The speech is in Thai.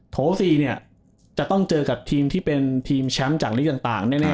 โถ๔เนี่ยจะต้องเจอกับทีมที่เป็นทีมแชมป์จากลีกต่างแน่